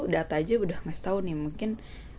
data aja udah ngasih tau nih mungkin